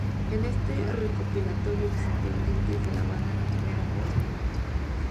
En este recopilatorio los integrantes de la banda no tuvieron voz ni voto.